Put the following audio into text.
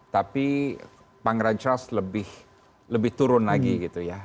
tapi pangeran charles lebih turun lagi gitu ya